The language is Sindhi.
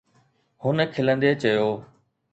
هن کلندي چيو.